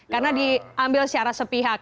karena diambil secara sepihak